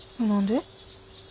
何で？